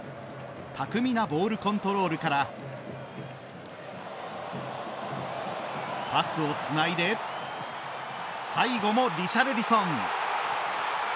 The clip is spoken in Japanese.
巧みなボールコントロールからパスをつないで最後も、リシャルリソン。